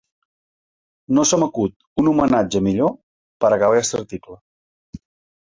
No se m’acut un homenatge millor per acabar aquest article.